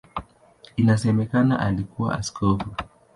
Inasemekana alikuwa askofu.